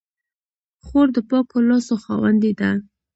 خور د پاکو لاسو خاوندې ده.